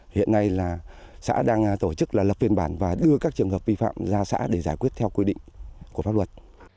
hiện nay là xã đang tổ chức là lập phiên bản và đưa các trường hợp vi phạm ra xã để giải quyết theo quy định của pháp luật